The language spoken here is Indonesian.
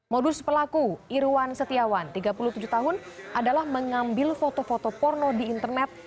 modus pelaku irwan setiawan tiga puluh tujuh tahun adalah mengambil foto foto porno di internet